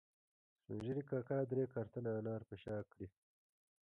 سپین ږیري کاکا درې کارتنه انار په شا کړي